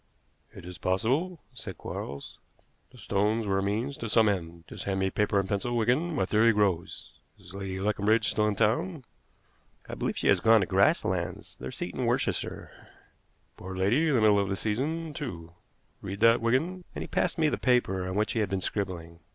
"It is possible," said Quarles. "The stones were a means to some end. Just hand me paper and a pencil, Wigan. My theory grows. Is Lady Leconbridge still in town?" "I believe she has gone to Grasslands, their seat in Worcestershire." "Poor lady! The middle of the season, too. Read that, Wigan," and he passed me the paper on which he had been scribbling.